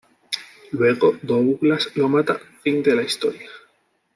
Luego Douglas lo mata fin de la historia.